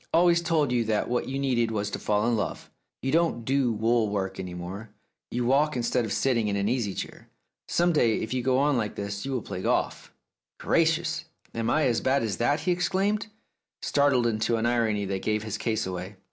I always told you that what you needed was to fall in love. You don't do wool work any more; you walk instead of sitting in an easy chair. Some day, if you go on like this, you will play golf." 278 The Tragedy of Oliver Bowman "Gracious! Am I as bad as that?" exclaimed he, startled into an irony that gave his case away.